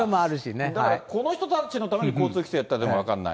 だからこの人たちのために交通規制やったのかも分からない。